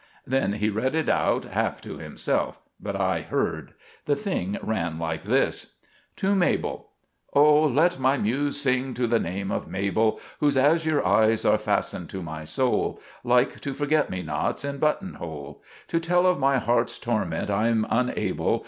Then he read it out, half to himself, but I heard. The thing ran like this: "TO MABEL "Oh let my Muse sing to the name of Mabel, Whose azure eyes are fastened to my soul, Like to forget me nots in button hole. To tell of my heart's torment I'm unable.